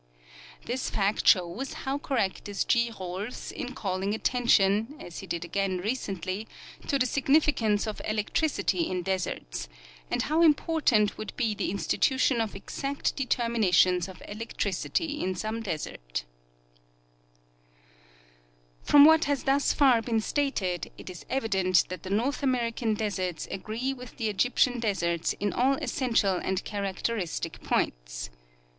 This fact shoAVS how correct is G. Rohlfs in calling attention, as he did again recently, to the significance of electricity in deserts, and how important Avould be the insti tution of exact determinations of electricity in some desert. 24— Nat. Geos. BIag., vol. IV, 1892. 172 Dr JohcmnesWalther — The North American Deserts. From what has thus far been stated, it is evident that the North American deserts agree with the Egyptian deserts in all essential and characteristic points.